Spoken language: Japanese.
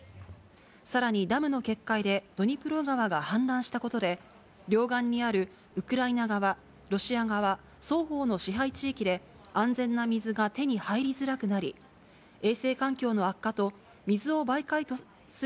さらにダムの決壊でドニプロ川が氾濫したことで、両岸にあるウクライナ側、ロシア側双方の支配地域で、安全な水が手に入りづらくなり、おっうまいねぇ。